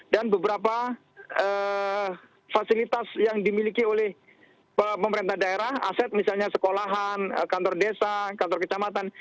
dan beberapa fasilitas yang dimiliki oleh pemerintah daerah aset misalnya sekolahan kantor desa kantor kecamatan